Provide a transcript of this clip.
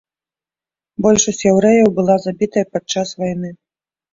Большасць яўрэяў была забітая пад час вайны.